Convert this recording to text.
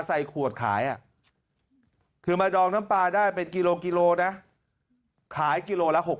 ใส่ขวดขายคือมาดองน้ำปลาได้เป็นกิโลกิโลนะขายกิโลละ๖๐